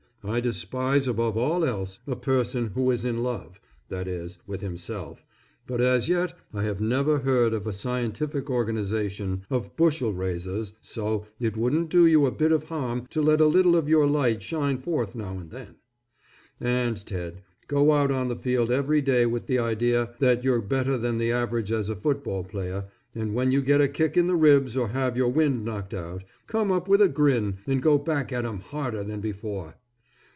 I despise above all else a person who is in love. That is, with himself, but as yet I have never heard of a scientific organization of bushel raisers, so it won't do you a bit of harm to let a little of your light shine forth now and then. And, Ted, go out on the field every day with the idea that you're better than the average as a football player, and when you get a kick in the ribs or have your wind knocked out, come up with a grin and go back at 'em harder than before.